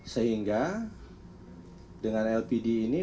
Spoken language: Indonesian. sehingga dengan lpd ini